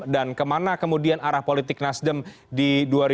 dan kemana kemudian arah politik nasdem di dua ribu dua puluh empat